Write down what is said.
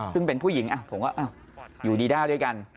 ซึ่งเป็นผู้หญิงผมก็อยู่ดีด้าด้วยกัน